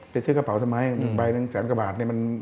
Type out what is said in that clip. ไปซื้อกระเป๋าสมัย๑ใบนึงแสนกว่าบาท